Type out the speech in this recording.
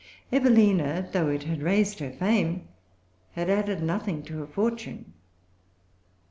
Evelina, though it had raised her fame, had added nothing to her fortune.